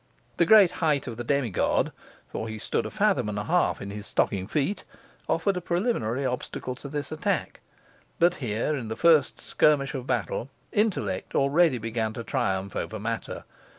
The great height of the demigod for he stood a fathom and half in his stocking feet offered a preliminary obstacle to this attack. But here, in the first skirmish of the battle, intellect already began to triumph over matter.